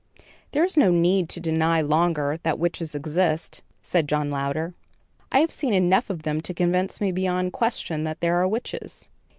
"There is no need to deny longer that witches exist," said John Louder. "I have seen enough of them to convince me beyond question that there are witches.